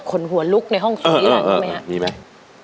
คนหัวลุกในห้องสุขนิรันดิ์ไหมครับมีไหมเออมีไหม